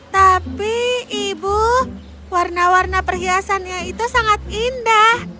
tapi ibu warna warna perhiasannya itu sangat indah